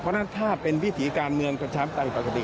เพราะฉะนั้นถ้าเป็นวิถีการเมืองประชาธิปไตยปกติ